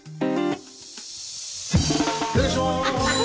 失礼しまーす。